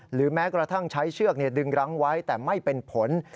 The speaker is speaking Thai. หรือแม้กระทั่งใช้เชือกดึงรั้งไว้แต่ไม่เป็นผล